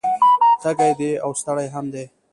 تږی دی او ستړی هم دی